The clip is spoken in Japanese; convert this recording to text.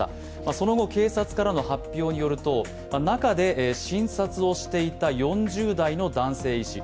その後、警察からの発表によると中で診察をしていた４０代の男性医師。